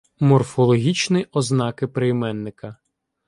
Морфологічні ознаки прийменника